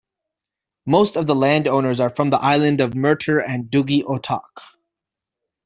Most of the land owners are from the island of Murter and Dugi Otok.